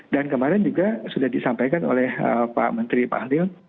kemarin juga sudah disampaikan oleh pak menteri pak ahli